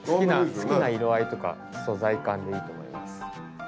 好きな色合いとか素材感でいいと思います。